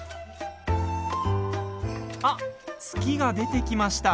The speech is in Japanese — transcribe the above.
あっ、月が出てきました。